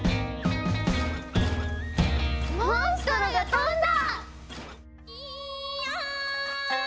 モンストロが飛んだ！